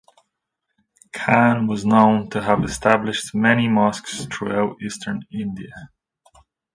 Khan was known to have established many mosques throughout Eastern India.